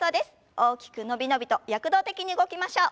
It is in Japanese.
大きく伸び伸びと躍動的に動きましょう。